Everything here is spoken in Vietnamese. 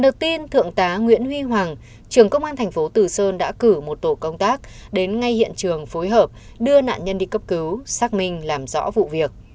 công an thành phố từ sơn đã cử một tổ công tác đến ngay hiện trường phối hợp đưa nạn nhân đi cấp cứu xác minh làm rõ vụ việc